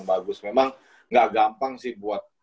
bagus memang nggak gampang sih buat